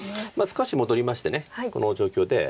少し戻りましてこの状況で。